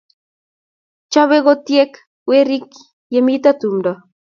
Chobei kotiek werik ya mito tumdo